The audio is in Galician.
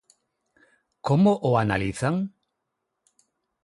Como o analizan?